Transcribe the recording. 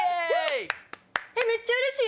めっちゃうれしい！